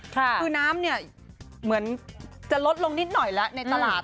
คือน้ำเนี่ยเหมือนจะลดลงนิดหน่อยแล้วในตลาด